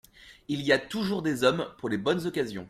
Il y a toujours des hommes pour les bonnes occasions.